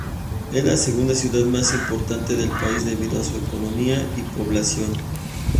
Es la segunda ciudad más importante del país debido a su economía y población.